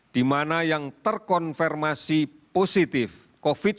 di mana yang terkonfirmasi positif covid sembilan belas